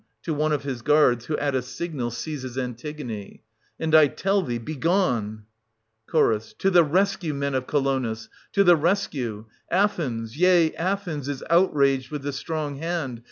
{to one of his guards, who at a signal seizes Antigone), And I tell thee — begone ! Ch. To the rescue, men of Colonus — to the rescue ! Athens — yea, Athens — is outraged with the strong hand